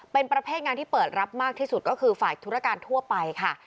เป็นประเภทงานที่เปิดรับมากที่สุดก็คือฝ่ายธุรการทั่วไปค่ะ